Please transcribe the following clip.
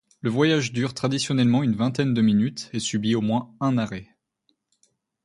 Le voyage dure traditionnellement une vingtaine de minutes et subit au moins un arrêt.